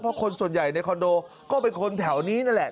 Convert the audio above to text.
เพราะคนส่วนใหญ่ในคอนโดก็เป็นคนแถวนี้นั่นแหละ